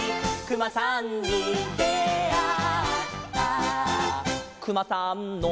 「くまさんの」